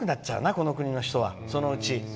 この国の人は、そのうち。